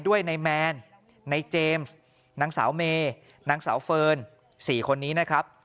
ด้วยในแมนในเจมส์นางสาวเมนางสาวเฟิร์น๔คนนี้นะครับ